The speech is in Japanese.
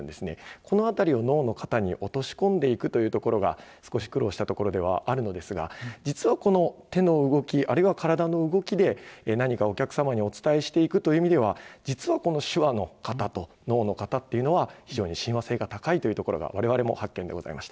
このあたりを能の型に落とし込んでいくというところが、少し苦労したところではあるんですが、実はこの手の動き、あるいは体の動きで、何かお客様にお伝えしていくという意味では、実はこの手話の型と能の型っていうのは、非常に親和性が高いというところがわれわれも発見でございました。